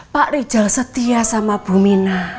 pak rijal setia sama bumina